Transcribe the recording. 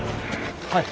はい。